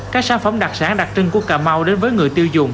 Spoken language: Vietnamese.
các sản phẩm đặc sản đặc trưng của cà mau đến với người tiêu dùng